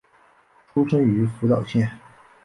出身于福岛县。